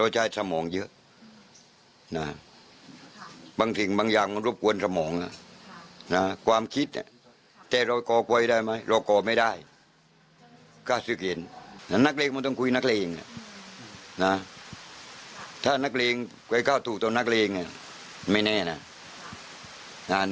โจรต่อโจรไม่ได้๙๐เยนนักเลงมันต้องคุยนักเลงถ้านักเลงไปเข้าถูกตัวนักเลงไม่แน่นะ